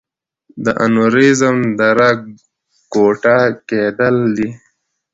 د انوریزم د رګ ګوټه کېدل دي.